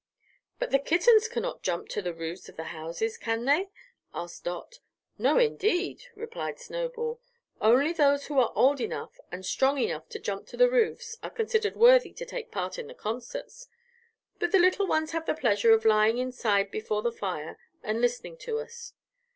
"But the kittens cannot jump to the roofs of the houses, can they?" asked Dot. "No, indeed," replied Snowball; "only those who are old enough and strong enough to jump to the roofs are considered worthy to take part in the concerts. But the little ones have the pleasure of lying inside before the fire and listening to us."